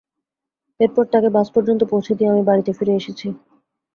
এরপর তাকে বাস পর্যন্ত পৌছে দিয়ে আমি বাড়িতে ফিরে এসেছি।